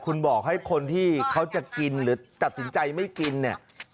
คุณบอกให้คนที่เขาจะกินหรือตัดสินใจไม่กินเนี่ย